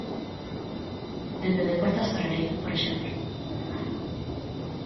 Dende deporte a hostalería, por exemplo.